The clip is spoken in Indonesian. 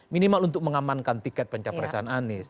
minimal untuk mengamankan tiket pencapaian sana